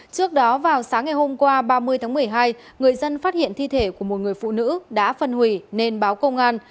trước đó vào sáng ngày hôm qua ba mươi tháng một mươi hai người dân phát hiện thi thể của một người phụ nữ đã phân hủy nên báo công an